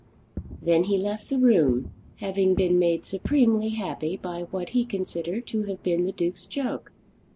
Then he left the room, having been made supremely happy by what he considered to have been the Duke's joke.